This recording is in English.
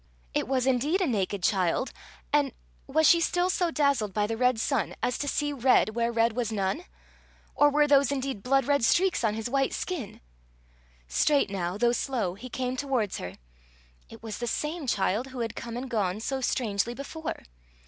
It was indeed a naked child! and was she still so dazzled by the red sun as to see red where red was none? or were those indeed blood red streaks on his white skin? Straight now, though slow, he came towards her. It was the same child who had come and gone so strangely before!